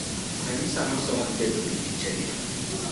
Kanisa mosewal bedo gi kichegi